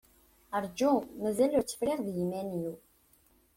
Rju, mazal ur tt-friɣ d yiman-iw.